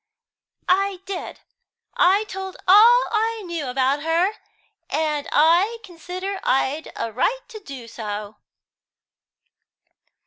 "I did. I told all I knew about her, and I consider I'd a right to do so."